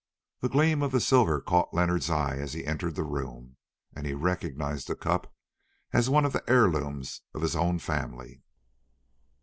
The gleam of the silver caught Leonard's eye as he entered the room, and he recognised the cup as one of the heirlooms of his own family.